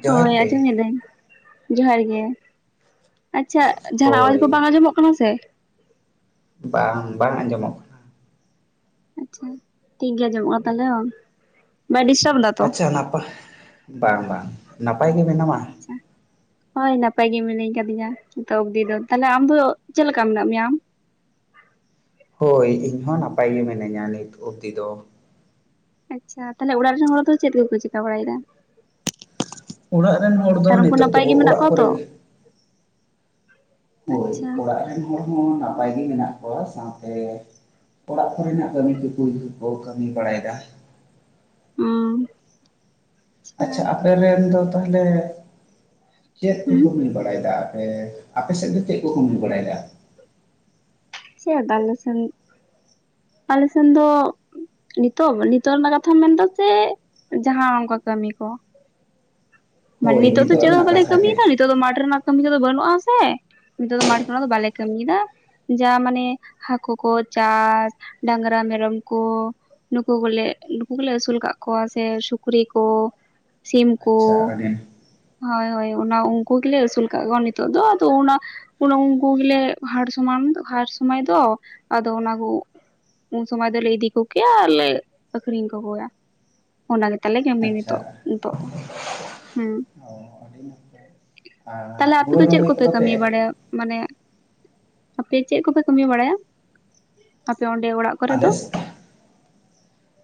ᱡᱚᱦᱟᱨ ᱦᱳᱭ ᱜᱮ ᱟᱸᱡᱚᱢ ᱤᱫᱟᱹᱧ ᱡᱚᱦᱟᱨ ᱜᱮ ᱟᱪᱪᱷᱟ ᱡᱟᱦᱟᱱᱼᱟᱜ ᱟᱣᱟᱡᱽ ᱠᱚ ᱦᱳᱭ ᱵᱟᱝ ᱟᱸᱡᱚᱢᱼᱚᱜ ᱠᱟᱱᱟ ᱥᱮ ᱵᱟᱝ ᱵᱟᱝ ᱟᱸᱡᱚᱢᱼᱚᱜ ᱠᱟᱱᱟ ᱟᱪᱪᱷᱟ ᱴᱷᱤᱠ ᱜᱮ ᱟᱸᱡᱚᱢᱼᱚᱜ ᱛᱟᱞᱮᱭᱚᱱ ᱵᱟᱭ ᱰᱤᱥᱴᱟᱵ ᱫᱟ ᱟᱪᱪᱷᱟ ᱱᱟᱯᱟᱭ ᱵᱟᱝ ᱵᱟᱝ ᱱᱟᱯᱟᱭ ᱜᱮ ᱢᱮᱱᱟᱢᱟ ᱟᱪᱪᱷᱟ ᱦᱳᱭ ᱱᱟᱯᱟᱭ ᱜᱮ ᱢᱤᱱᱟᱹᱧ ᱠᱟᱫᱤᱧᱟ ᱱᱤᱛᱚᱜ ᱚᱵᱫᱤ ᱫᱚ ᱛᱟᱦᱚᱞᱮ ᱟᱢ ᱫᱚ ᱪᱮᱫ ᱞᱮᱠᱟ ᱢᱮᱱᱟᱜ ᱢᱮᱭᱟ ᱟᱢ ᱦᱳᱭ ᱤᱧ ᱦᱚᱸ ᱱᱟᱯᱟᱭ ᱜᱮ ᱢᱤᱱᱟᱹᱧᱟ ᱱᱤᱛ ᱚᱵᱫᱤ ᱫᱚ ᱟᱪᱪᱷᱟ ᱛᱟᱦᱚᱞᱮ ᱚᱲᱟᱜ ᱨᱮᱱ ᱦᱚᱲ ᱫᱚ ᱪᱮᱫ ᱠᱚᱠᱚ ᱪᱤᱠᱟ ᱵᱟᱲᱟᱭᱮ ᱫᱟ ᱚᱲᱟᱜ ᱨᱮᱱ ᱦᱚᱲ ᱫᱚ ᱟᱨ ᱩᱱᱠᱩ ᱱᱤᱛᱚᱜ ᱫᱚ ᱱᱟᱯᱟᱭ ᱜᱮ ᱢᱮᱱᱟᱜ ᱚᱲᱟᱜ ᱠᱚᱣᱟ ᱛᱚ ᱠᱚᱨᱮᱜ ᱜᱮ ᱦᱳᱭ ᱟᱪᱪᱷᱟ ᱚᱲᱟᱜ ᱨᱮᱱ ᱦᱚᱲ ᱦᱚᱸ ᱱᱟᱯᱟᱭ ᱜᱮ ᱢᱮᱱᱟᱜ ᱠᱚᱣᱟ ᱥᱟᱶᱛᱮ ᱚᱲᱟᱜ ᱠᱚ ᱨᱮᱱᱟᱜ ᱠᱟᱹᱢᱤ ᱠᱚᱠᱚ ᱠᱚ ᱠᱟᱹᱢᱤ ᱵᱟᱲᱟᱭ ᱮᱫᱟ ᱦᱩᱸ ᱟᱪᱪᱷᱟ, ᱟᱯᱮ ᱨᱮᱱ ᱫᱚ ᱛᱟᱦᱞᱮ ᱪᱮᱫ ᱠᱚ ᱦᱩᱸ ᱠᱟᱹᱢᱤ ᱵᱟᱲᱟᱭ ᱮᱫᱟ? ᱟᱯᱮ, ᱟᱯᱮᱥᱮᱫ ᱫᱚ ᱪᱮᱫ ᱠᱚ ᱠᱟᱹᱢᱤ ᱵᱟᱲᱟᱭ ᱫᱟ? ᱪᱮᱫ ᱟᱞᱮ ᱥᱮᱱ ᱟᱞᱮ ᱥᱮᱱ ᱫᱚ ᱱᱤᱛᱚᱜ ᱱᱤᱛᱚᱜ ᱨᱮᱱᱟᱜ ᱠᱟᱛᱷᱟᱢ ᱢᱮᱱᱫᱟ ᱥᱮ ᱡᱟᱦᱟᱸ ᱚᱱᱠᱟ ᱠᱟᱹᱢᱤ ᱠᱚ ᱢᱟᱱᱮ ᱦᱳᱭ ᱱᱤᱛᱚᱜ ᱫᱚ ᱪᱮᱫ ᱦᱚᱸ ᱨᱮᱱᱟᱜ ᱵᱟᱞᱮ ᱠᱟᱛᱷᱟ ᱠᱟᱹᱢᱤᱭ ᱜᱮ ᱫᱟ ᱱᱤᱛᱚᱜ ᱫᱚ ᱢᱟᱴᱷ ᱨᱮᱱᱟᱜ ᱠᱟᱹᱢᱤ ᱛᱮᱫᱚ ᱵᱟᱹᱱᱩᱜᱼᱟ ᱥᱮ ᱱᱤᱛᱚᱜ ᱫᱚ ᱢᱟᱴᱷ ᱨᱮᱱᱟᱜ ᱫᱚ ᱵᱟᱞᱮ ᱠᱟᱹᱢᱤᱭ ᱮᱫᱟ᱾ ᱡᱟ ᱢᱟᱱᱮ ᱦᱟᱹᱠᱩ ᱠᱚ ᱪᱟᱥ ᱰᱟᱝᱨᱟ ᱢᱮᱨᱚᱢ ᱠᱚ ᱱᱩᱠᱩ ᱠᱚᱞᱮ ᱱᱩᱠᱩ ᱠᱚᱞᱮ ᱟᱹᱥᱩᱞ ᱠᱟᱜ ᱠᱚᱣᱟ ᱥᱮ ᱥᱩᱠᱨᱤ ᱠᱚ ᱥᱤᱢ ᱠᱚ ᱟᱪᱪᱷᱟ ᱟᱹᱰᱤ ᱦᱳᱭ ᱦᱳᱭ ᱚᱱᱟ ᱩᱱᱠᱩ ᱜᱮᱞᱮ ᱟᱹᱥᱩᱞ ᱠᱟᱜ ᱠᱚᱣᱟ ᱱᱤᱛᱚᱜ ᱫᱚ ᱟᱫᱚ ᱚᱱᱟ ᱩᱱ ᱩᱱᱠᱩ ᱜᱮᱞᱮ ᱦᱟᱴ ᱥᱚᱢᱟᱱ ᱦᱟᱴ ᱥᱚᱢᱚᱭ ᱫᱚ ᱟᱫᱚ ᱚᱱᱟ ᱠᱚ ᱩᱱ ᱥᱚᱢᱚᱭ ᱫᱚᱞᱮ ᱤᱫᱤ ᱠᱚᱜᱮᱭᱟ ᱟᱨ ᱞᱮ ᱟᱠᱷᱨᱤᱧ ᱠᱚᱜᱮᱭᱟ᱾ ᱚᱱᱟ ᱜᱮ ᱛᱟᱞᱮ ᱠᱟᱢᱤ ᱟᱪᱪᱷᱟ ᱱᱤᱛᱚᱜ ᱱᱤᱛᱚᱜ ᱫᱚ ᱦᱩᱸ ᱚ ᱟᱹᱰᱤ ᱱᱟᱯᱟᱭ ᱟᱨ ᱛᱟᱦᱞᱮ ᱟᱯᱮ ᱦᱩᱲᱩ ᱫᱚ ᱪᱮᱫ ᱨᱚᱦᱚᱭ ᱠᱚᱯᱮ ᱠᱚᱫᱚ ᱠᱟᱹᱢᱤ ᱯᱮ ᱵᱟᱲᱟᱭᱟ ᱢᱟᱱᱮ ᱟᱯᱮ ᱪᱮᱫ ᱠᱚᱯᱮ ᱠᱟᱹᱢᱤ ᱵᱟᱲᱟᱭᱟ ᱟᱯᱮ ᱚᱸᱰᱮ ᱚᱲᱟᱜ ᱠᱚᱨᱮ ᱫᱚ? ᱟᱞᱮᱥ [unintelligible]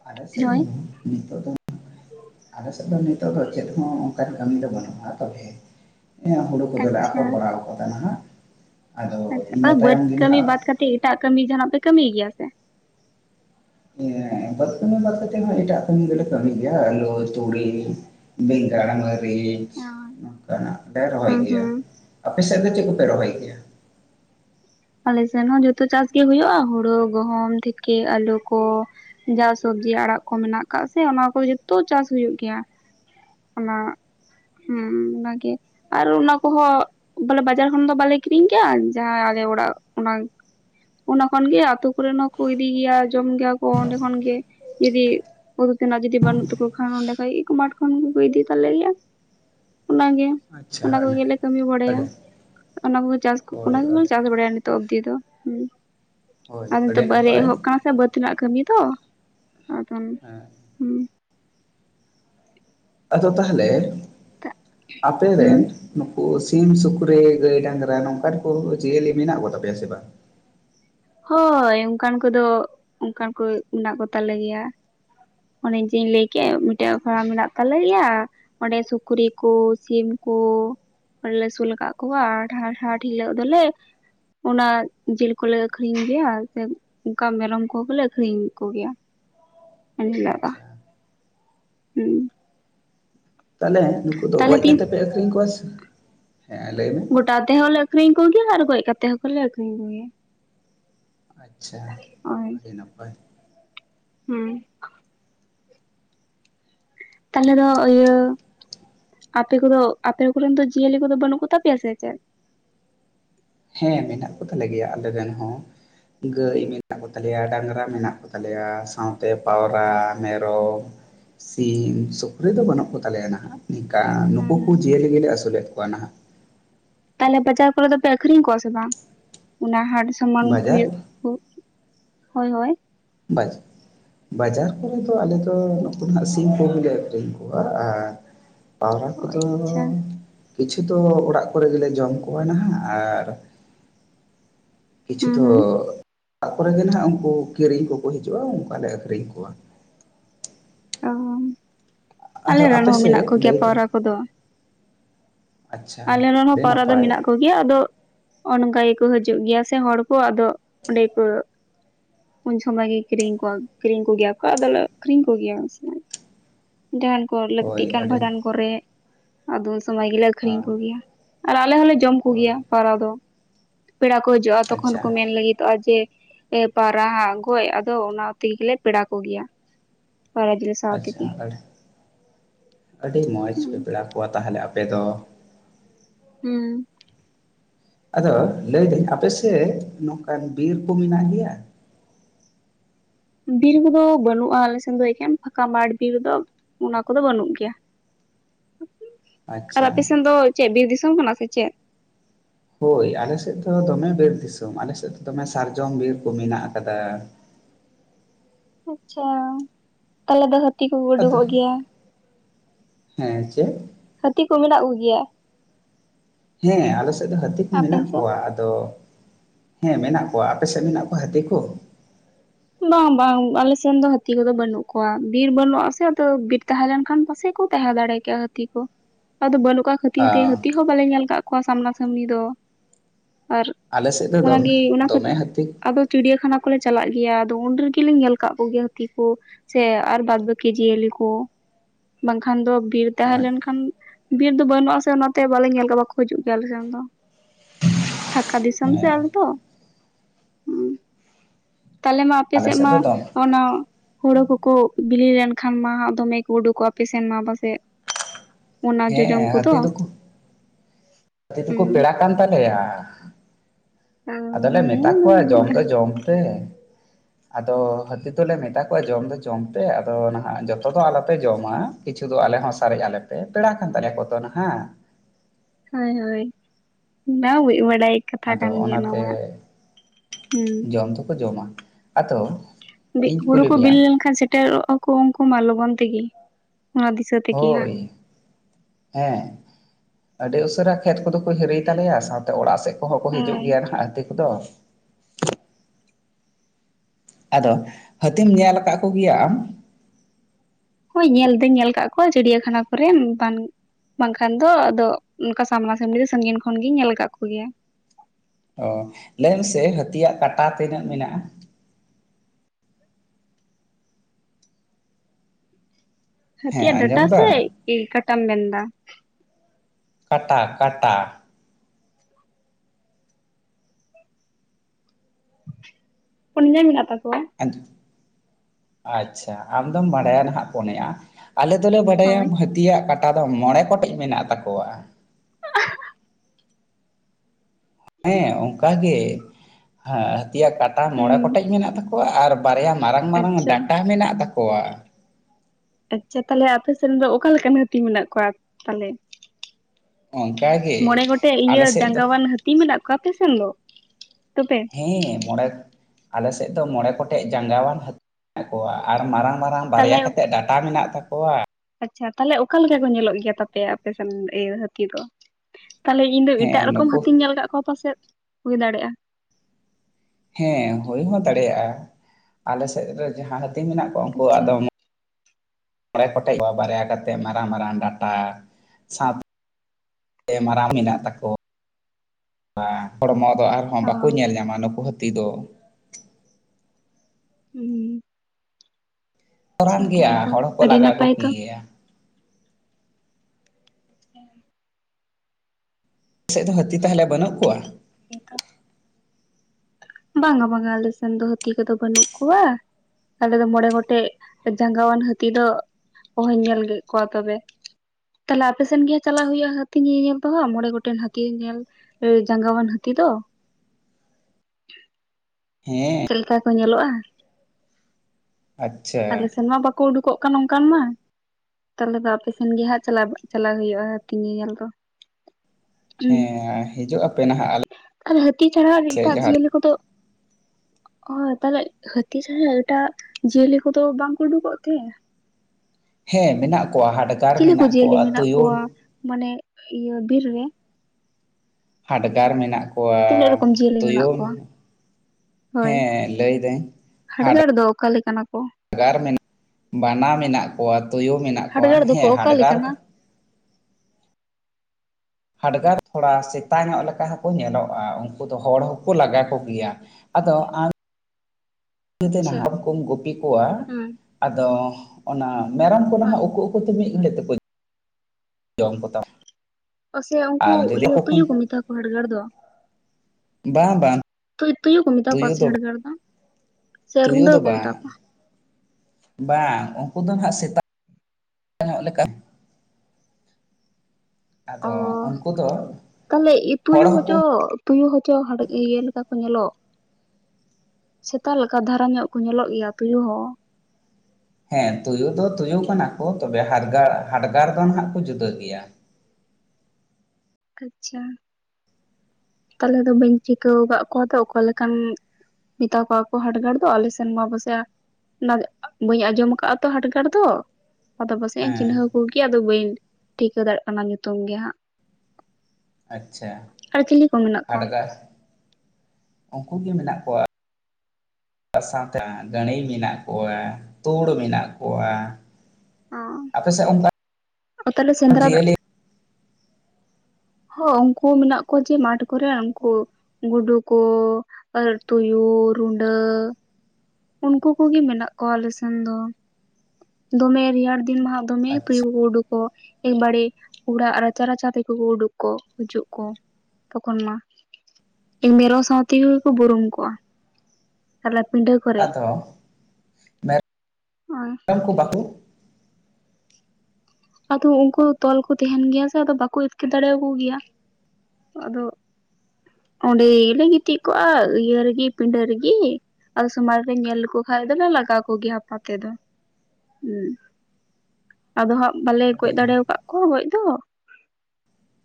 ᱟᱞᱮ ᱥᱮᱫ ᱫᱚ ᱦᱳᱭ ᱱᱤᱛᱚᱜ ᱫᱚ ᱟᱞᱮ ᱥᱮᱫ ᱫᱚ ᱱᱤᱛᱚᱜ ᱫᱚ ᱪᱮᱫ ᱦᱚᱸ ᱚᱱᱠᱟᱱ ᱠᱟᱹᱢᱤ ᱫᱚ ᱵᱟᱹᱱᱩᱜᱼᱟ ᱛᱚᱵᱮ ᱦᱩᱲᱩ ᱠᱚᱫᱚᱞᱮ ᱟᱪᱪᱷᱟ ᱟᱯᱷᱚᱨ ᱵᱟᱲᱟᱣ ᱠᱟᱫᱟᱜᱼᱟ ᱱᱟᱦᱟᱜ ᱟᱫᱚ ᱟᱪᱪᱷᱟ ᱤᱱᱟᱹ ᱵᱟᱹᱛ ᱛᱟᱭᱚᱢ ᱜᱮ ᱠᱟᱹᱢᱤ ᱱᱟᱦᱟᱜ ᱵᱟᱫ ᱠᱟᱛᱮᱫ ᱮᱴᱟᱜ ᱠᱟᱹᱢᱤ ᱡᱟᱱᱟᱜ ᱯᱮ ᱠᱟᱹᱢᱤᱭ ᱜᱮᱭᱟ ᱥᱮ ᱦᱮᱸ ᱵᱟᱛ ᱠᱟᱹᱢᱤ ᱵᱟᱫ ᱠᱟᱛᱮᱫ ᱦᱚᱸ ᱮᱴᱟᱜ ᱠᱟᱹᱢᱤ ᱫᱚᱞᱮ ᱠᱟᱹᱢᱤ ᱜᱮᱭᱟ ᱟᱞᱩ ᱛᱩᱲᱤ ᱵᱮᱸᱜᱟᱲ ᱢᱟᱹᱨᱤᱪ ᱱᱚᱝᱠᱟᱱᱟᱜ ᱞᱮ ᱨᱚᱦᱚᱭ ᱦᱩᱸ ᱜᱮᱭᱟ, ᱦᱩᱸ ᱟᱯᱮ ᱥᱮᱫ ᱫᱚ ᱪᱮᱫ ᱠᱚᱯᱮ ᱨᱚᱦᱚᱭ ᱜᱮᱭᱟ? ᱟᱞᱮ ᱥᱮᱱ ᱦᱚᱸ ᱡᱷᱚᱛᱚ ᱪᱟᱥ ᱜᱮᱭᱟ ᱦᱩᱭᱩᱜᱼᱟ ᱦᱩᱲᱩ ᱜᱩᱦᱩᱢ ᱛᱷᱤᱠᱤ ᱟᱹᱞᱩ ᱠᱚ᱾ ᱡᱟ ᱥᱚᱵᱡᱤ ᱟᱲᱟᱜ ᱠᱚ ᱢᱮᱱᱟᱜ ᱟᱠᱟᱫ ᱥᱮ ᱚᱱᱟ ᱠᱚ ᱡᱚᱛᱚ ᱪᱟᱥ ᱦᱳᱭᱳᱜ ᱜᱮᱭᱟ᱾ ᱚᱱᱟ ᱦᱩᱸ ᱚᱱᱟᱜᱮ ᱟᱨ ᱚᱱᱟ ᱠᱚᱦᱚ ᱵᱚᱞᱮ ᱵᱟᱡᱟᱨ ᱠᱷᱚᱱ ᱫᱚ ᱵᱟᱞᱮ ᱠᱤᱨᱤᱧ ᱜᱮᱭᱟ ᱡᱟᱦᱟᱸ ᱟᱞᱮ ᱚᱲᱟᱜ ᱚᱱᱟ ᱚᱱᱟ ᱠᱷᱚᱱ ᱜᱮ ᱟᱛᱳ ᱠᱚᱨᱮᱱ ᱦᱚᱸᱠᱚ ᱤᱫᱤ ᱜᱮᱭᱟ ᱡᱚᱢ ᱜᱮᱭᱟ ᱠᱚ ᱚᱸᱰᱮ ᱠᱷᱚᱱ ᱜᱮ ᱡᱩᱫᱤ ᱤᱫᱤ ᱛᱮᱱᱟᱜ ᱡᱤᱱᱤᱥ ᱵᱟᱹᱱᱩᱜ ᱠᱷᱟᱱ ᱚᱸᱰᱮ ᱠᱷᱟᱭ ᱠᱚ ᱢᱟᱴ ᱠᱷᱚᱱ ᱛᱟᱞᱮᱭᱟ ᱚᱱᱟᱜᱮ ᱟᱪᱪᱷᱟ ᱚᱱᱟ ᱟᱹᱰᱤ ᱠᱚᱜᱮᱞᱮ ᱠᱟᱹᱢᱤ ᱵᱟᱲᱟᱭᱟ ᱟᱹᱰᱤ ᱚᱱᱟ ᱠᱚᱜᱮ ᱪᱟᱥ ᱦᱳᱭ ᱚᱱᱟ ᱜᱮᱞᱮ ᱟᱹᱰᱤ ᱪᱟᱥ ᱵᱟᱲᱟᱭᱟ ᱱᱤᱛᱚᱜ ᱚᱵᱫᱤ ᱫᱚ ᱦᱩᱸ ᱦᱳᱭ ᱟᱨ ᱟᱹᱰᱤ ᱱᱤᱛᱚᱜ ᱵᱟᱨ ᱱᱟᱯᱟᱭ ᱮᱦᱚᱵ ᱠᱟᱱᱟ ᱥᱮ ᱛᱮᱱᱟᱜ ᱠᱟᱹᱢᱤ ᱛᱚ ᱟᱫᱚ ᱦᱮᱸ ᱟᱫᱚ ᱛᱟᱦᱚᱞᱮ ᱟᱯᱮ ᱦᱩᱸ ᱨᱮᱱ ᱱᱩᱠᱩ ᱥᱤᱢ ᱥᱩᱠᱨᱤ ᱜᱟᱹᱭᱼ ᱰᱟᱝᱨᱟ ᱱᱚᱝᱠᱟᱱ ᱠᱚ ᱡᱤᱭᱟᱹᱞᱤ ᱢᱮᱱᱟᱜ ᱠᱚᱛᱟᱯᱮᱭᱟ ᱥᱮ ᱵᱟᱝ? ᱦᱳᱭ ᱚᱱᱠᱟᱱ ᱠᱚᱫᱚ ᱚᱱᱠᱟᱱ ᱠᱚ ᱢᱮᱱᱟᱜ ᱠᱚᱛᱟᱞᱮ ᱜᱮᱭᱟ᱾ ᱚᱱᱮ ᱡᱮᱧ ᱞᱟᱹᱭ ᱠᱮᱫ ᱢᱤᱫᱴᱮᱡ ᱜᱷᱚᱲᱟ ᱢᱮᱱᱟᱜ ᱛᱟᱞᱮ ᱜᱮᱭᱟ᱾ ᱚᱸᱰᱮ ᱥᱩᱠᱨᱤ ᱠᱚ ᱥᱤᱢ ᱠᱚ ᱮ ᱟᱹᱥᱩᱞ ᱟᱠᱟᱫ ᱠᱚᱣᱟ ᱟᱨ ᱦᱟᱴ ᱦᱟᱴ ᱦᱤᱞᱳᱜ ᱫᱚᱞᱮ ᱚᱱᱟ ᱡᱤᱞ ᱠᱚᱞᱮ ᱟᱠᱷᱨᱤᱧ ᱜᱮᱭᱟ ᱥᱮ ᱚᱱᱠᱟ ᱢᱮᱨᱚᱢ ᱠᱚᱦᱚᱸ ᱠᱚᱞᱮ ᱟᱠᱷᱨᱤᱧ ᱠᱚᱜᱮᱭᱟ᱾ ᱮᱱ ᱦᱤᱞᱚᱜ ᱫᱟ ᱟᱪᱪᱷᱟ ᱦᱩᱸ ᱛᱟᱦᱚᱞᱮ ᱱᱩᱠᱩ ᱫᱚ ᱛᱟᱦᱚᱞᱮ ᱜᱚᱡ ᱛᱤᱱ ᱠᱟᱛᱮ ᱯᱮ ᱟᱠᱠᱷᱨᱤᱧ ᱠᱚᱣᱟ ᱥᱮ, ᱦᱮᱸ ᱞᱟᱹᱭᱢᱮ ᱜᱚᱴᱟ ᱛᱮᱦᱚᱸᱞᱮ ᱟᱠᱷᱨᱤᱧ ᱠᱚᱜᱮᱭᱟ ᱟᱨ ᱜᱚᱡ ᱠᱟᱛᱮ ᱦᱚᱸᱞᱮ ᱟᱠᱷᱨᱤᱧ ᱠᱚᱜᱮᱭᱟ᱾ ᱟᱪᱪᱷᱟ ᱳᱭ ᱟᱹᱰᱤ ᱱᱟᱯᱟᱭ ᱦᱩᱸ ᱛᱟᱦᱚᱞᱮ ᱫᱚ ᱤᱭᱟᱹ ᱟᱯᱮ ᱠᱚᱫᱚ ᱟᱯᱮ ᱠᱚᱨᱮᱱ ᱫᱚ ᱡᱤᱭᱟᱹᱞᱤ ᱠᱚᱫᱚ ᱵᱟᱹᱱᱩᱜ ᱠᱚᱛᱟ ᱯᱮᱭᱟ ᱥᱮ ᱪᱮᱫ? ᱦᱮᱸ ᱢᱮᱱᱟᱜ ᱠᱚᱛᱟᱞᱮ ᱜᱮᱭᱟ ᱟᱞᱮ ᱨᱮᱱ ᱦᱚᱸ᱾ ᱜᱟᱹᱭ ᱢᱮᱱᱟᱜ ᱠᱚᱛᱟᱞᱮᱭᱟ ᱰᱟᱝᱨᱟ ᱢᱮᱱᱟᱜ ᱠᱚᱛᱟᱞᱮᱭᱟ ᱥᱟᱶᱛᱮ ᱯᱟᱣᱨᱟ ᱢᱮᱨᱚᱢ ᱥᱤᱢ ᱥᱩᱠᱨᱤ ᱫᱚ ᱵᱟᱹᱱᱩᱜ ᱠᱚᱛᱟᱞᱮᱭᱟ ᱱᱟᱦᱟᱜ ᱱᱚᱝᱠᱟᱱ ᱦᱩᱸ ᱱᱩᱠᱩ ᱦᱩᱸ ᱡᱤᱭᱟᱹᱞᱤ ᱜᱮᱞᱮ ᱟᱹᱥᱩᱞᱮᱫ ᱠᱚᱣᱟ ᱱᱟᱦᱟᱜ᱾ ᱛᱟᱦᱚᱞᱮ ᱵᱟᱡᱟᱨ ᱠᱚᱨᱮ ᱫᱚᱯᱮ ᱟᱠᱷᱨᱤᱧ ᱠᱚᱣᱟ ᱥᱮ ᱵᱟᱝ ᱚᱱᱟ ᱦᱟᱴ ᱥᱟᱢᱟᱱ ᱵᱟᱡᱟᱨ ᱦᱩᱭᱩᱜ ᱦᱳᱭ ᱦᱳᱭ ᱵᱟᱡ ᱵᱟᱡᱟᱨ ᱠᱚᱨᱮᱫᱚ ᱟᱞᱮᱫᱚ ᱱᱩᱠᱩ ᱱᱟᱜ ᱥᱤᱢ ᱠᱚᱜᱮᱞᱮ ᱟᱹᱠᱷᱨᱤᱧ ᱠᱚᱣᱟ ᱟᱨ ᱯᱟᱣᱨᱟ ᱦᱳᱭ ᱠᱚᱫᱚ ᱟᱪᱪᱷᱟ ᱠᱤᱪᱷᱩ ᱫᱚ ᱚᱲᱟᱜ ᱠᱚᱨᱮ ᱜᱮᱞᱮ ᱡᱚᱢ ᱠᱚᱣᱟ ᱱᱟᱦᱟᱜ ᱟᱨ ᱠᱤᱪᱷᱩ ᱦᱩᱸ ᱫᱚ ᱦᱩᱸ ᱚᱲᱟᱜ ᱠᱚᱨᱮ ᱜᱮ ᱱᱟᱦᱟᱜ ᱩᱱᱠᱩ ᱠᱤᱨᱤᱧ ᱠᱚᱠᱚ ᱦᱤᱡᱩᱜᱼᱟ ᱚᱱᱠᱟ ᱞᱮ ᱟᱠᱷᱨᱤᱧ ᱠᱚᱣᱟ ᱚ ᱟᱫᱚ ᱟᱞᱮᱨᱮᱱ ᱦᱚᱸ ᱢᱮᱱᱟᱜ ᱟᱯᱮᱥᱮᱫ ᱞᱟᱹᱭ ᱠᱚᱜᱮᱭᱟ ᱫᱟᱹᱧ ᱯᱟᱣᱨᱟ ᱠᱚᱫᱚ ᱟᱪᱪᱷᱟ ᱟᱞᱮ ᱨᱮᱱ ᱦᱚᱸ ᱟᱹᱰᱤ ᱯᱚᱣᱨᱟ ᱫᱚ ᱱᱟᱯᱟᱭ ᱢᱮᱱᱟᱜ ᱠᱚ ᱜᱮᱭᱟ ᱟᱫᱚ ᱚᱱᱠᱟ ᱜᱮᱠᱚ ᱦᱤᱡᱩᱜ ᱜᱮᱭᱟ ᱥᱮ ᱦᱚᱲ ᱠᱚ ᱟᱫᱚ ᱚᱸᱰᱮ ᱠᱚ ᱩᱱ ᱥᱚᱢᱚᱭ ᱜᱮ ᱠᱤᱨᱤᱝ ᱠᱚᱣᱟ ᱠᱤᱨᱤᱧ ᱠᱚᱜᱮᱭᱟᱠᱚ ᱟᱫᱚ ᱞᱮ ᱟᱠᱷᱨᱤᱧ ᱠᱚᱜᱮᱭᱟ ᱡᱟᱦᱟᱸ ᱨᱮ ᱠᱚ ᱦᱳᱭ ᱞᱟᱹᱠᱛᱤᱜ ᱠᱷᱟᱱ ᱟᱹᱰᱤ ᱵᱷᱟᱸᱰᱟᱱ ᱠᱚᱨᱮ ᱟᱫᱚ ᱩᱱ ᱥᱚᱢᱚᱭ ᱜᱮ ᱞᱮ ᱟᱠᱷᱨᱤᱧ ᱦᱮᱸ ᱠᱚᱜᱮᱭᱟ ᱟᱨ ᱟᱞᱮ ᱦᱚᱸᱞᱮ ᱡᱚᱢ ᱦᱳᱭ ᱠᱚᱜᱮᱭᱟ ᱯᱟᱣᱨᱟ ᱫᱚ ᱯᱮᱲᱟ ᱠᱚ ᱦᱤᱡᱩᱜᱼᱟ ᱛᱚᱠᱷᱚᱱ ᱟᱪᱪᱷᱟ ᱠᱚ ᱢᱮᱱ ᱞᱟᱹᱜᱤᱫᱚᱜᱼᱟ ᱡᱮ ᱯᱟᱣᱨᱟ ᱜᱚᱡ ᱟᱫᱚ ᱚᱱᱟ ᱛᱮᱜᱮᱞᱮ ᱯᱮᱲᱟ ᱠᱚᱜᱮᱭᱟ ᱯᱟᱣᱨᱟ ᱡᱤᱞ ᱥᱟᱶ ᱟᱪᱪᱷᱟ ᱛᱮᱜᱮ ᱟᱹᱰᱤ ᱢᱚᱸᱡᱽ ᱯᱮ ᱯᱮᱲᱟ ᱠᱚᱣᱟ ᱛᱟᱦᱚᱞᱮ ᱟᱯᱮ ᱫᱚ ᱦᱩᱸ ᱟᱫᱚ ᱞᱟᱹᱭᱫᱟᱹᱧ ᱟᱯᱮᱥᱮᱫ ᱱᱚᱝᱠᱟᱱ ᱵᱤᱨ ᱠᱩ ᱢᱮᱱᱟᱜ ᱜᱮᱭᱟ ᱵᱤᱨ ᱠᱚᱫᱚ ᱵᱟᱹᱱᱩᱜᱼᱟ ᱟᱞᱮᱥᱮᱫ ᱫᱚ ᱮᱠᱷᱮᱱ ᱯᱷᱟᱸᱠᱟ ᱢᱟᱴ ᱵᱤᱨᱫᱚ ᱚᱱᱟ ᱠᱚᱫᱚ ᱵᱟᱹᱱᱩᱜ ᱜᱮᱭᱟ [inaudible] ᱟᱨ ᱟᱯᱮ ᱥᱮᱱ ᱫᱚ ᱪᱮᱫ ᱵᱤᱨ ᱫᱤᱥᱚᱢ ᱠᱟᱱᱟ ᱥᱮ ᱪᱮᱫ ᱦᱳᱭ ᱟᱞᱮᱥᱮᱫ ᱫᱚ ᱫᱚᱢᱮ ᱵᱤᱨ ᱫᱤᱥᱚᱢ ᱟᱞᱮᱥᱮᱫ ᱫᱚ ᱫᱚᱢᱮ ᱥᱟᱨᱡᱚᱢ ᱵᱤᱨ ᱠᱚ ᱢᱮᱱᱟᱜ ᱟᱠᱟᱫᱟ ᱟᱪᱪᱷᱟ ᱛᱟᱦᱚᱞᱮ ᱫᱚ ᱦᱟᱹᱛᱤ ᱠᱚ ᱟᱫᱚ ᱩᱰᱩᱠᱚᱜ ᱜᱮᱭᱟ ᱦᱮᱸ ᱪᱮᱫ ᱦᱟᱹᱛᱤ ᱠᱚ ᱢᱮᱱᱟᱜ ᱠᱚᱜᱮᱭᱟ ᱦᱮᱸ ᱟᱞᱮ ᱥᱮᱫ ᱫᱚ ᱦᱟᱹᱛᱤ ᱠᱚ ᱟᱯᱮᱱ ᱢᱮᱱᱟᱜ ᱥᱮᱫ? ᱠᱚᱣᱟ ᱟᱫᱚ ᱦᱮᱸ ᱢᱮᱱᱟᱜ ᱠᱚᱣᱟ ᱟᱯᱮᱥᱮᱫ ᱢᱮᱱᱟᱜ ᱠᱚᱣᱟ ᱦᱟᱹᱛᱤ ᱠᱚ ᱵᱟᱝ ᱵᱟᱝ ᱟᱞᱮᱥᱱ ᱫᱚ ᱦᱟᱹᱛᱤ ᱠᱚᱫᱚ ᱵᱟᱹᱱᱩᱜ ᱠᱚᱣᱟ ᱵᱤᱨ ᱵᱟᱹᱱᱩᱜ ᱟᱥᱮ ᱟᱫᱚ ᱵᱤᱨ ᱛᱟᱦᱮᱸ ᱞᱮᱱ ᱠᱷᱟᱱ ᱯᱟᱥᱮᱡ ᱠᱚ ᱛᱟᱦᱮᱸ ᱫᱟᱲᱮ ᱠᱮᱭᱟ ᱦᱟᱸᱛᱤ ᱠᱚ ᱟᱫᱚ ᱵᱟᱹᱱᱩᱜ ᱠᱚᱣᱟ ᱦᱟᱹᱛᱤ ᱟ ᱛᱮ ᱦᱟᱹᱛᱤ ᱦᱚᱸ ᱵᱟᱞᱮ ᱧᱮᱞ ᱠᱟᱜ ᱠᱚᱣᱟ ᱥᱟᱢᱱᱟ ᱥᱟᱢᱱᱤ ᱫᱚ ᱟᱨ ᱟᱞᱮ ᱥᱮᱫ ᱫᱚ ᱫᱚᱢᱮ ᱚᱱᱟᱜᱮ ᱚᱱᱟ ᱠᱷᱟᱹᱛ ᱫᱚᱢᱮ ᱦᱟᱹᱛᱤ ᱟᱫᱚ ᱪᱤᱲᱤᱭᱟᱹᱠᱷᱟᱱᱟ ᱠᱚᱞᱮ ᱪᱟᱞᱟᱜ ᱜᱮᱭᱟ ᱛᱳ ᱩᱱᱨᱮᱜᱮ ᱞᱤᱧ ᱧᱮᱞ ᱠᱟᱫ ᱠᱚᱜᱮᱭᱟ ᱦᱟᱹᱛᱤ ᱠᱚ ᱥᱮ ᱟᱨ ᱵᱟᱫᱽ ᱵᱟᱹᱠᱤ ᱡᱤᱭᱟᱹᱞᱤ ᱠᱚ ᱵᱟᱝᱠᱷᱟᱱ ᱫᱚ ᱵᱤᱨ ᱛᱟᱦᱮᱸ ᱞᱮᱱᱠᱷᱟᱱ ᱵᱤᱨ ᱫᱚ ᱵᱟᱹᱱᱩᱜ ᱟᱥᱮ ᱚᱱᱟᱛᱮ ᱵᱟᱞᱮ ᱧᱮᱞ ᱠᱟᱜ ᱵᱟᱠᱚ ᱦᱤᱡᱩᱜ ᱜᱮᱭᱟ ᱟᱞᱮ ᱥᱮᱱ ᱫᱚ ᱯᱷᱟᱸᱠᱟ ᱫᱤᱥᱚᱢ ᱥᱮ ᱦᱮᱸ ᱟᱞᱮ ᱫᱚ ᱦᱩᱸ ᱛᱟᱦᱚᱞᱮ ᱢᱟ ᱟᱞᱮ ᱟᱯᱮᱥᱮᱫ ᱥᱮᱫ ᱢᱟ ᱫᱚ ᱫᱚᱢ ᱚᱱᱟ ᱦᱳᱲᱳ ᱠᱚᱠᱚ ᱵᱤᱞᱤ ᱞᱮᱱᱠᱷᱟᱱ ᱢᱟ ᱫᱚᱢᱮ ᱠᱚ ᱩᱰᱩᱠᱚᱜᱼᱟ ᱟᱯᱮ ᱥᱮᱫ ᱢᱟ ᱯᱟᱥᱮᱡ ᱚᱱᱟ ᱡᱚᱡᱚᱢ ᱦᱮᱸ ᱠᱚᱫᱚ ᱦᱟᱹᱛᱤ ᱫᱚᱠᱚ ᱦᱟᱹᱛᱤ ᱫᱚᱠᱚ ᱦᱩᱸ ᱯᱮᱲᱟ ᱠᱟᱱ ᱛᱟᱞᱮᱭᱟ ᱟᱫᱚᱞᱮ ᱦᱳᱭ ᱢᱮᱛᱟ ᱠᱚᱣᱟ ᱡᱚᱢ ᱫᱚ ᱡᱚᱢ ᱯᱮ ᱟᱫᱚ ᱦᱟᱹᱛᱤ ᱫᱚᱞᱮ ᱢᱮᱛᱟ ᱠᱚᱣᱟ ᱡᱚᱢ ᱫᱚ ᱡᱚᱢ ᱯᱮ ᱟᱫᱚ ᱱᱟᱦᱟᱜ ᱡᱚᱛᱚ ᱫᱚ ᱟᱞᱚᱯᱮ ᱡᱚᱢᱟ ᱠᱤᱪᱷᱩ ᱫᱚ ᱟᱞᱮ ᱦᱚᱸ ᱥᱟᱨᱮᱡ ᱟᱞᱮᱯᱮ ᱯᱮᱲᱟ ᱠᱟᱱ ᱛᱟᱞᱮᱭᱟᱠᱚ ᱛᱚ ᱱᱟᱦᱟᱜ ᱦᱳᱭ ᱦᱳᱭ [unintelligible] ᱟᱫᱚ ᱜᱮᱭᱟ ᱚᱱᱟᱛᱮ ᱱᱚᱣᱟ ᱦᱩᱸ ᱡᱚᱢ ᱫᱚᱠᱚ ᱡᱚᱢᱟ ᱟᱫᱚ ᱤᱧ ᱦᱩᱲᱩ ᱠᱩᱞᱤ ᱠᱚ ᱢᱮᱭᱟ ᱵᱤᱞᱤ ᱞᱮᱱᱠᱷᱟᱱ ᱥᱮᱴᱮᱨᱚᱜᱼᱟᱠᱚ ᱩᱱᱠᱩ ᱢᱟ ᱞᱚᱜᱚᱱ ᱛᱮᱜᱮ ᱚᱱᱟ ᱫᱤᱥᱟᱹ ᱛᱮᱜᱮ ᱦᱟᱸᱜ ᱦᱳᱭ ᱦᱮᱸ ᱟᱹᱰᱤ ᱩᱥᱟᱹᱨᱟ ᱠᱷᱮᱛ ᱠᱚᱫᱚ ᱠᱚ ᱦᱤᱨᱤᱭ ᱛᱟᱞᱮᱭᱟ ᱥᱟᱶᱛᱮ ᱚᱲᱟᱜ ᱥᱮᱫ ᱠᱚᱦᱚᱸ ᱠᱚ ᱦᱤᱡᱩᱜ ᱜᱮᱭᱟ ᱱᱟᱦᱟᱜ ᱦᱟᱹᱛᱤ ᱠᱚᱫᱚ ᱟᱫᱚ ᱦᱟᱹᱛᱤᱢ ᱧᱮᱞ ᱟᱠᱟᱫ ᱠᱚᱜᱮᱭᱟ ᱟᱢ ᱦᱳᱭ ᱧᱮᱞ ᱫᱚᱧ ᱧᱮᱞ ᱟᱠᱟᱫ ᱠᱚᱣᱟ ᱪᱤᱲᱭᱟᱹᱠᱷᱟᱱᱟ ᱠᱚᱨᱮᱱ ᱵᱟᱝᱠᱷᱟᱱ ᱫᱚ ᱟᱫᱚ ᱚᱱᱠᱟ ᱥᱟᱢᱱᱟ ᱥᱟᱢᱱᱤ ᱫᱚ ᱥᱟᱸᱜᱤᱧ ᱠᱷᱚᱱ ᱜᱤᱧ ᱧᱮᱞ ᱟᱠᱟᱫ ᱠᱚᱜᱮᱭᱟ ᱚ ᱞᱟᱹᱭ ᱢᱮᱥᱮ ᱦᱟᱹᱛᱤᱭᱟᱜ ᱠᱟᱴᱟ ᱛᱤᱱᱟᱹᱜ ᱢᱮᱱᱟᱜᱼᱟ ᱦᱮᱸ ᱦᱟᱹᱛᱤᱭᱟᱜ ᱰᱟᱴᱟ ᱟᱸᱡᱚᱢ ᱥᱮ ᱫᱟᱢ ᱠᱟᱴᱟᱢ ᱢᱮᱱᱫᱟ ᱠᱟᱴᱟ ᱠᱟᱴᱟ ᱯᱩᱱᱭᱟ ᱢᱮᱱᱟᱜ ᱛᱟᱠᱚᱣᱟ᱾ ᱟᱡ ᱟᱪᱪᱷᱟ ᱟᱢᱫᱚᱢ ᱵᱟᱲᱟᱭᱟ ᱱᱟᱦᱟᱜ ᱯᱚᱱᱭᱟ᱾ ᱟᱞᱮ ᱫᱚᱞᱮ ᱵᱟᱰᱟᱭᱟ ᱦᱳᱭ ᱦᱟᱹᱛᱤᱭᱟᱜ ᱠᱟᱴᱟ ᱫᱚ ᱢᱚᱬᱮ ᱜᱚᱴᱮᱡ ᱢᱮᱱᱟᱜ ᱛᱟᱠᱚᱣᱟ᱾ ᱦᱮᱸ ᱚᱝᱠᱟ ᱜᱮ ᱦᱮᱸ ᱦᱟᱹᱛᱤᱭᱟᱜ ᱠᱟᱴᱟ ᱢᱚᱬᱮ ᱦᱩᱸ ᱜᱚᱴᱮᱡ ᱢᱮᱱᱟᱜ ᱛᱟᱠᱚ ᱟᱨ ᱵᱟᱨᱭᱟ ᱢᱟᱨᱟᱝ ᱢᱟᱨᱟᱝ ᱟᱪᱪᱷᱟ ᱰᱟᱴᱟ ᱢᱮᱱᱟᱜ ᱛᱟᱠᱚᱣᱟ᱾ ᱟᱪᱪᱷᱟ ᱛᱟᱦᱞᱮ ᱟᱯᱮ ᱥᱨᱱ ᱫᱚ ᱚᱠᱟ ᱞᱮᱠᱟᱱ ᱦᱟᱹᱛᱤ ᱢᱮᱱᱟᱜ ᱠᱚᱣᱟ ᱛᱟᱦᱞᱮ? ᱢᱚᱬᱮ ᱚᱱᱠᱟᱜᱮ ᱜᱚᱴᱮᱡ ᱟᱞᱮ ᱤᱭᱟᱹ ᱥᱮᱫ ᱫᱚ ᱡᱟᱸᱜᱟᱣᱟᱱ ᱦᱟᱹᱛᱤ ᱢᱮᱱᱟᱜ ᱠᱚᱣᱟ ᱟᱯᱮ ᱥᱮᱱ ᱫᱚ ᱛᱚᱵᱮ? ᱦᱮᱸ ᱢᱚᱬᱮ ᱟᱞᱮᱥᱮᱫ ᱫᱚ ᱢᱚᱬᱮ ᱠᱚᱴᱮᱡ ᱡᱟᱸᱜᱟᱣᱟᱱ ᱦᱟᱹᱛᱤ ᱢᱮᱱᱟᱜ ᱠᱚᱣᱟ ᱟᱨ ᱢᱟᱨᱟᱝ ᱢᱟᱨᱟᱝ ᱛᱟᱦᱞᱮ ᱵᱟᱨᱭᱟ ᱠᱟᱛᱮᱜ ᱰᱟᱴᱟ ᱢᱮᱱᱟᱜ ᱛᱟᱠᱚᱣᱟ᱾ ᱟᱪᱪᱷᱟ ᱛᱟᱦᱞᱮ ᱚᱠᱟᱞᱮᱠᱟ ᱠᱚ ᱧᱮᱞᱚᱜ ᱜᱮᱭᱟ ᱛᱟᱯᱮᱭᱟ ᱟᱯᱮ ᱨᱮᱱᱥᱮ ᱦᱟᱹᱛᱤ ᱫᱚ? ᱛᱟᱦᱮᱞᱮ ᱤᱧ ᱫᱚ ᱮᱴᱟᱜ ᱦᱮᱸ ᱨᱚᱠᱚᱢ ᱦᱟᱹᱛᱤᱧ ᱱᱩᱠᱩ ᱧᱮᱞ ᱠᱟᱜ ᱠᱚᱣᱟ ᱯᱟᱥᱮᱡ ᱦᱩᱭ ᱫᱟᱲᱮᱭᱟᱜᱼᱟ᱾ ᱦᱮᱸ ᱦᱩᱭ ᱦᱚᱸ ᱫᱟᱲᱮᱭᱟᱜᱼᱟ ᱟᱞᱮᱥᱮᱫ ᱨᱮ ᱡᱟᱦᱟᱸ ᱦᱟᱹᱛᱤ ᱢᱮᱱᱟᱜ ᱠᱚ ᱩᱝᱠᱩ ᱣᱟᱜ ᱟᱪᱪᱷᱟ ᱫᱚ ᱢᱚ ᱢᱚᱬᱮ ᱜᱚᱴᱮᱡ ᱵᱟᱨᱭᱟ ᱠᱟᱛᱮᱫ ᱢᱟᱨᱟᱝ ᱢᱟᱨᱟᱝ ᱰᱟᱴᱟ ᱥᱟᱶ ᱢᱟᱨᱟᱝ ᱢᱮᱱᱟᱜ ᱛᱟᱠᱚ ᱵᱟ ᱦᱚᱲᱢᱚ ᱫᱚ ᱟᱨᱦᱚᱸ ᱚ ᱵᱟᱠᱚ ᱧᱮᱞ ᱧᱟᱢᱟ ᱱᱩᱠᱩ ᱦᱟᱹᱛᱤ ᱫᱚ᱾ ᱦᱩᱸ ᱠᱚᱨᱟᱱ ᱟᱪᱪᱷᱟ ᱜᱮᱭᱟ ᱛᱟᱦᱞᱮ ᱫᱚ ᱦᱚᱲ ᱦᱚᱸᱠᱚ ᱟᱹᱰᱤ ᱞᱟᱜᱟᱣ ᱠᱚ ᱱᱟᱯᱟᱭ ᱛᱚ ᱜᱮᱭᱟ᱾ ᱦᱩᱸ ᱥᱮᱜ ᱫᱚ ᱦᱟᱹᱛᱤ ᱛᱟᱦᱞᱮ ᱵᱟᱹᱱᱩᱜ ᱠᱚᱣᱟ? [unintelligible] ᱵᱟᱝᱟ ᱵᱟᱝᱟ ᱟᱞᱮ ᱥᱮᱱ ᱫᱚ ᱦᱟᱹᱛᱤ ᱠᱚᱫᱚ ᱵᱟᱹᱱᱩᱜ ᱠᱚᱣᱟ᱾ ᱟᱞᱮ ᱫᱚ ᱢᱚᱬᱮ ᱜᱚᱴᱮᱡ ᱡᱟᱸᱜᱟᱣᱟᱱ ᱦᱟᱹᱛᱤ ᱫᱚ ᱚᱦᱚᱧ ᱧᱮᱞ ᱠᱮᱫ ᱠᱚᱣᱟ ᱛᱚᱵᱮ᱾ ᱛᱟᱦᱞᱮ ᱟᱯᱮᱥᱮᱱ ᱜᱮᱟ ᱪᱟᱞᱟᱜ ᱦᱩᱭᱩᱜᱼᱟ ᱦᱟᱹᱛᱤ ᱧᱮᱧᱮᱞ ᱛᱟᱦᱟᱜ ᱢᱚᱬᱮ ᱜᱚᱴᱮᱱ ᱦᱟᱹᱛᱤ ᱧᱮᱞ᱾ ᱮ ᱡᱟᱸᱜᱟᱣᱟᱱ ᱦᱟᱹᱛᱤ ᱫᱚ᱾ ᱦᱮᱸ ᱪᱮᱫ ᱞᱮᱠᱟ ᱠᱚ ᱧᱮᱞᱚᱜᱼᱟ? ᱟᱞᱮ ᱟᱪᱪᱷᱟ ᱥᱮᱱ ᱢᱟ ᱵᱟᱠᱚ ᱩᱰᱩᱠᱚᱜ ᱠᱟᱱ ᱚᱝᱠᱟᱱ ᱢᱟ᱾ ᱛᱟᱦᱞᱮ ᱫᱚ ᱟᱯᱮᱥᱱ ᱜᱮ ᱦᱟᱸᱜ ᱪᱟᱞᱟᱵ ᱪᱟᱞᱟᱜ ᱦᱩᱭᱩᱜᱼᱟ ᱦᱟᱛᱤ ᱧᱮᱧᱮᱞ ᱫᱚ᱾ ᱦᱮᱸ ᱦᱤᱡᱩᱜ ᱟᱯᱮ ᱱᱟᱦᱟᱜ ᱟᱞᱮ ᱦᱩᱸ ᱟᱨ ᱦᱟᱹᱛᱤ ᱪᱷᱟᱲᱟᱜ ᱥᱮᱫ ᱮᱴᱟᱜ ᱡᱟᱦᱟᱸ ᱡᱤᱭᱟᱹᱞᱤ ᱠᱚᱫᱚ ᱚ ᱛᱟᱦᱞᱮ ᱦᱟᱹᱛᱤ ᱪᱷᱟᱲᱟ ᱮᱴᱟᱜ ᱡᱤᱭᱟᱹᱞᱤ ᱠᱚᱫᱚ ᱵᱟᱝᱠᱚ ᱩᱰᱩᱠᱚᱜ ᱛᱮ? ᱦᱮᱸ ᱢᱮᱱᱟᱜ ᱠᱚᱣᱟ ᱦᱟᱰ ᱪᱤᱞᱤ ᱠᱚ ᱡᱤᱭᱟᱹᱞᱤ ᱢᱮᱱᱟᱜ ᱠᱚᱣᱟ ᱢᱟᱱᱮ ᱤᱭᱟᱹ ᱵᱤᱨ ᱨᱮ? ᱦᱟᱰᱜᱟᱨ ᱢᱮᱱᱟᱜ ᱠᱚᱣᱟ ᱛᱤᱱᱟᱹᱜ ᱨᱚᱠᱚᱢ ᱡᱤᱭᱟᱹᱞᱤ ᱛᱩᱭᱩ ᱢᱮᱱᱟᱜ ᱠᱚᱣᱟ ᱦᱳᱭ ᱦᱮᱸ ᱞᱟᱹᱭᱫᱟᱹᱧ ᱦᱟᱰᱜᱟᱨ ᱫᱚ ᱚᱠᱟ ᱞᱮᱠᱟᱱᱟ ᱠᱚ? ᱜᱟᱨ ᱢᱮᱱᱟᱜ ᱵᱟᱱᱟ ᱢᱮᱱᱟᱜ ᱠᱚᱣᱟ, ᱛᱩᱭᱩ ᱢᱮᱱᱟᱜ ᱠᱚᱣᱟ, ᱦᱟᱰᱜᱟᱨ ᱫᱚᱠᱚ ᱦᱮᱸ ᱚᱠᱟ ᱦᱟᱰᱜᱟᱨ ᱫᱚ ᱞᱮᱠᱟᱱᱟ ᱦᱟᱰᱜᱟᱨ ᱛᱷᱚᱲᱟ ᱥᱮᱛᱟ ᱧᱚᱜ ᱞᱮᱠᱟ ᱦᱚᱸᱠᱚ ᱧᱮᱞᱚᱜ-ᱟ ᱩᱝᱠᱩ ᱫᱚ ᱦᱚᱲ ᱦᱚᱸᱠᱚ ᱞᱟᱜᱟ ᱠᱚ ᱜᱮᱭᱟ᱾ ᱟᱫᱚ ᱛᱮ ᱱᱟᱦ ᱟᱪᱪᱷᱟ ᱠᱚᱢ ᱜᱩᱯᱤ ᱠᱚᱣᱟ ᱦᱮᱸ ᱟᱫᱚ ᱚᱱᱟ ᱢᱮᱨᱚᱢ ᱠᱚ ᱱᱟᱦᱟᱜ ᱩᱠᱩ ᱩᱠᱩᱛᱮ ᱢᱤᱫ ᱜᱷᱟᱹᱲᱤᱡ ᱛᱮᱠᱚ ᱡᱚᱢ ᱠᱚᱛᱟᱢ ᱚ ᱥᱮ ᱩᱝᱠᱩ ᱤᱭᱟᱹ ᱛᱩᱭᱩ ᱠᱚ ᱢᱮᱛᱟ ᱠᱚᱣᱟ ᱦᱟᱰᱜᱟᱨ ᱫᱚ? ᱵᱟᱝ ᱵᱟᱝ ᱛᱩᱭᱩ ᱛᱩᱭᱩ ᱠᱚ ᱢᱮᱛᱟ ᱠᱚᱣᱟ ᱥᱮ ᱦᱟᱰᱜᱟᱨ ᱫᱚ? ᱥᱮ ᱛᱩᱭᱩ ᱨᱩᱰᱟᱹ ᱫᱚ ᱠᱚ ᱢᱮᱛᱟ ᱵᱟᱝ᱾ ᱠᱚᱣᱟ ᱵᱟᱝ ᱩᱝᱠᱩ ᱫᱚ ᱱᱟᱦᱟᱜ ᱥᱮᱛᱟᱜ ᱧᱚᱜ ᱞᱮᱠᱟ ᱚ ᱟᱫᱚ ᱩᱱᱠᱩ ᱫᱚ ᱛᱟᱦᱞᱮ ᱦᱚᱲ ᱛᱩᱭᱩ ᱦᱚᱸᱠᱚ ᱦᱚᱪᱚ ᱛᱩᱭᱩ ᱦᱚᱪᱚ ᱦᱟᱰ ᱤᱭᱟᱹ ᱞᱮᱠᱟ ᱠᱚ ᱧᱮᱞᱚᱜ᱾ ᱥᱮᱛᱟᱜ ᱞᱮᱠᱟ ᱫᱷᱟᱨᱟ ᱧᱚᱜ ᱠᱚ ᱧᱮᱞᱚᱜ ᱜᱮᱭᱟ ᱛᱩᱭᱩ ᱦᱚᱸ᱾ ᱦᱮᱸ ᱛᱩᱭᱩ ᱫᱚ ᱛᱩᱭᱩ ᱠᱟᱱᱟ ᱠᱚ ᱛᱚᱵᱮ ᱦᱟᱰᱜᱟ ᱦᱟᱰᱜᱟᱨ ᱫᱚ ᱱᱟᱦᱟᱜ ᱠᱚ ᱡᱩᱫᱟᱹ ᱜᱮᱭᱟ᱾ ᱟᱪᱪᱷᱟ ᱛᱟᱦᱞᱮ ᱫᱚ ᱵᱟᱹᱧ ᱪᱤᱠᱟᱹᱣ ᱠᱟᱜ ᱠᱚᱣᱟ ᱛᱚ ᱚᱠᱟ ᱞᱮᱠᱟᱱ ᱢᱮᱛᱟ ᱠᱚᱣᱟ ᱠᱚ ᱦᱟᱰᱜᱟᱨ ᱫᱚ ᱟᱞᱮ ᱥᱮᱱ ᱢᱟ ᱯᱟᱥᱮ ᱚᱱᱟ ᱫᱚ ᱵᱟᱹᱧ ᱟᱸᱡᱚᱢ ᱟᱠᱟᱫ-ᱟ ᱛᱚ ᱦᱟᱴᱜᱟᱨ ᱫᱚ ᱟᱫᱚ ᱯᱟᱥᱮᱡ ᱤᱧ ᱪᱤᱱᱦᱟᱹᱣ ᱦᱮᱸ ᱠᱚᱜᱮ ᱠᱮᱭᱟ ᱟᱫᱚ ᱵᱟᱹᱧ ᱴᱷᱤᱠᱟᱹ ᱫᱟᱲᱮᱭᱟᱜ ᱠᱟᱱᱟ ᱧᱩᱛᱩᱢ ᱜᱮ ᱦᱟᱸᱜ ᱟᱪᱪᱷᱟ ᱟᱨ ᱪᱤᱞᱤ ᱠᱚ ᱢᱮᱱᱟᱜ ᱠᱚᱣᱟ ᱦᱟᱰᱜᱟᱨ ᱩᱱᱠᱩ ᱜᱮ ᱢᱮᱱᱟᱜ ᱠᱚᱣᱟ ᱥᱟᱶᱛᱮ ᱜᱟᱹᱬᱤᱸ ᱢᱮᱱᱟᱜ ᱠᱚᱣᱟ ᱛᱩᱲ ᱢᱮᱱᱟᱜ ᱠᱚᱣᱟ ᱟᱯᱮ ᱥᱮᱫ ᱚᱱᱠᱟ ᱚ ᱛᱦᱚᱞᱮ ᱥᱮᱫᱨᱟ ᱫᱚ ᱦᱚᱸ ᱩᱱᱠᱩ ᱢᱮᱱᱟᱜ ᱠᱚᱣᱟ ᱡᱮ ᱢᱟᱴᱷ ᱠᱚᱨᱮ ᱩᱱᱠᱩ ᱜᱩᱰᱩ ᱠᱚ ᱟᱨ ᱛᱩᱭᱩ ᱨᱩᱸᱰᱟᱹ ᱩᱱᱠᱩ ᱠᱚᱜᱮ ᱢᱮᱱᱟᱜ ᱠᱚᱣᱟ ᱟᱞ ᱥᱮᱱ ᱫᱚ ᱫᱚᱢᱮ ᱨᱮᱭᱟᱲ ᱫᱤᱱ ᱢᱟ ᱦᱟᱸᱜ ᱫᱚᱢᱮ ᱛᱩᱭᱩ ᱟᱪᱪᱷᱟ ᱩᱰᱩᱠ ᱮᱠᱵᱟᱨᱮ ᱚᱲᱟᱜ ᱨᱟᱪᱟ ᱨᱟᱪᱟ ᱛᱮᱜᱮ ᱠᱚ ᱩᱰᱩᱠ ᱠᱚ ᱦᱤᱡᱩᱜ ᱠᱚ ᱛᱚᱠᱷᱚᱱ ᱢᱟ ᱤᱧ ᱢᱮᱨᱚᱢ ᱥᱟᱶ ᱛᱮᱜᱮ ᱠᱚ ᱵᱩᱨᱩᱢ ᱠᱚᱜᱼᱟ ᱟᱞᱮ ᱯᱤᱸᱰᱟᱹ ᱠᱚᱨᱮ ᱟᱫᱚ [unintelligible] ᱚᱱᱠᱟᱱ [unintelligible] ᱠᱩ ᱵᱟᱠᱩ ᱟᱫᱚ ᱩᱱᱠᱩ ᱛᱚᱞᱠᱩ ᱛᱟᱦᱮᱱ ᱜᱮᱭᱟ ᱥᱮ ᱟᱫᱚ ᱵᱟᱠᱚ ᱟᱹᱛᱠᱟᱹᱨ ᱫᱟᱲᱮᱭᱟ ᱠᱩ ᱜᱮᱭᱟ ᱟᱫᱚ ᱚᱸᱰᱮ ᱜᱮᱞᱮ ᱜᱤᱛᱤᱡ ᱠᱚᱜᱼᱟ ᱤᱭᱟᱹ ᱨᱮᱜᱮ ᱯᱤᱰᱟᱹ ᱨᱮᱜᱮ ᱟᱫᱚ ᱥᱚᱢᱟᱨ [unintelligible] ᱨᱮ ᱧᱮᱞ ᱞᱮᱠᱚ ᱠᱷᱟᱡ ᱫᱚᱞᱮ ᱞᱟᱜᱟ ᱠᱚᱜᱮᱭᱟ ᱦᱟᱯᱟ ᱛᱮᱫᱚ ᱩᱸ ᱟᱫᱚ ᱦᱟᱸᱜ ᱵᱟᱞᱮ ᱜᱚᱡ ᱟᱹᱰᱤ ᱫᱟᱲᱮ ᱠᱟᱫ ᱠᱚᱣᱟ ᱜᱚᱡ ᱫᱚ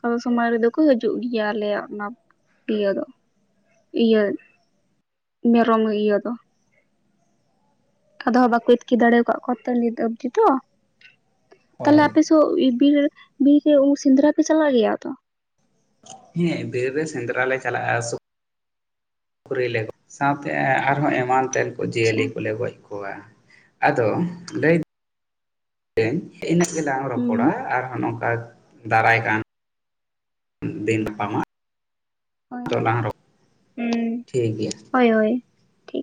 ᱟᱫᱚ ᱥᱚᱢᱚᱭ ᱨᱮᱫᱚ ᱠᱚ ᱦᱤᱡᱩᱜ ᱜᱮᱭᱟ ᱟᱞᱮᱭᱟᱜ ᱚᱱᱟ ᱤᱭᱟᱹ ᱫᱚ ᱤᱭᱟᱹ ᱢᱮᱨᱚᱢ ᱤᱭᱟᱹ ᱫᱚ ᱟᱫᱚ ᱦᱟᱸᱜ ᱵᱟᱠᱚ ᱟᱛᱠᱤᱨ ᱫᱟᱲᱮ ᱟᱠᱟᱫ ᱠᱚᱣᱟ ᱛᱚ ᱱᱤᱛ ᱚᱵᱫᱤ ᱫᱚ ᱛᱟᱦᱞᱮ ᱦᱳᱭ ᱟᱯᱮ [unintelligible] ᱵᱤᱨ ᱵᱤᱨ ᱨᱮ ᱥᱮᱸᱫᱽᱨᱟ ᱯᱮ ᱪᱟᱞᱟᱜ ᱜᱮᱭᱟ ᱛᱚ ᱦᱮᱸ ᱵᱮᱨ ᱨᱮ ᱥᱮᱸᱫᱽᱨᱟ ᱞᱮ ᱪᱟᱞᱟᱜᱼᱟ ᱥᱩᱠᱷᱨᱤᱞᱮ ᱜᱚᱡ ᱥᱟᱶᱛᱮ ᱟᱨᱦᱚᱸ ᱮᱢᱟᱱ ᱛᱮᱱ ᱠᱚ ᱟᱪᱪᱷᱟ ᱡᱤᱭᱟᱹᱞᱤ ᱠᱚᱞᱮ ᱜᱚᱡ ᱠᱚᱣᱟ ᱠᱚᱣᱟ ᱟᱫᱚ ᱞᱟᱹᱭ [unintelligible] ᱤᱱᱟᱹᱜ ᱜᱮᱞᱟᱝ ᱦᱩᱸ ᱨᱚᱯᱚᱲᱟ ᱟᱨᱦᱚ ᱱᱚᱝᱠᱟ ᱫᱟᱨᱟᱭ ᱠᱟᱱ ᱫᱤᱱ [unintelligible] ᱱᱟᱯᱟᱢᱟ ᱦᱳᱭ ᱦᱳᱭ ᱦᱩᱸ ᱴᱷᱤᱠ ᱜᱮᱭᱟ ᱦᱳᱭ ᱦᱳᱭ ᱴᱷᱤᱠ